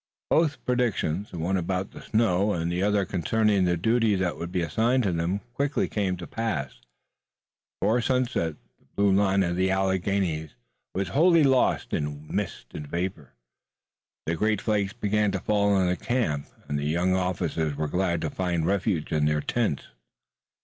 Both predictions, the one about the snow and the other concerning the duty that would be assigned to them, quickly came to pass. Before sunset the blue line of the Alleghanies was lost wholly in mist and vapor. Then great flakes began to fall on the camp, and the young officers were glad to find refuge in their tents.